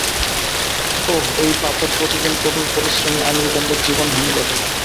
ওহ, এই পাথর প্রতিদিন কঠোর পরিশ্রমী আমেরিকানদের জীবনহানি ঘটায়।